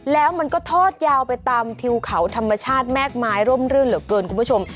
แล้วมันก็ทอดยาวไปตามทิวเขาธรรมชาติแม่กไม้ร่มรื่นเหลือเกินคุณผู้ชม